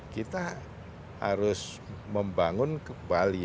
kita harus membangun bali